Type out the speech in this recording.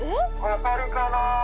「分かるかな？」。